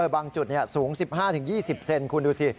บางจุดสูง๑๕๒๐เซนคุณดูสิ